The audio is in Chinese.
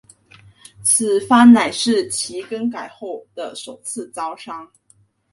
此番乃是其整改后的首次招商。